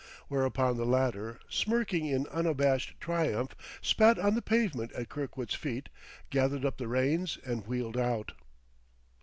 Whereupon the latter, smirking in unabashed triumph, spat on the pavement at Kirkwood's feet, gathered up the reins, and wheeled out.